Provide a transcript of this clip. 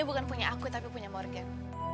saya bukan punya aku tapi punya morgan